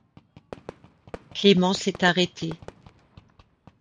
Clémence est arrêtée.